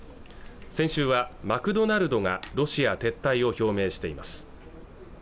先週はマクドナルドがロシア撤退を表明しています